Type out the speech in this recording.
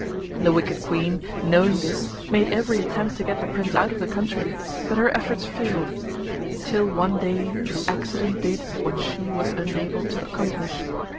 The Wicked Queen knowing this made every attempt to get the Prince out of the country, but her efforts failed, till one day accident did what she was unable to accomplish.